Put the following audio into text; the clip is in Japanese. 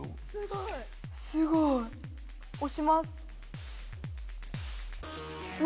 すごい押します。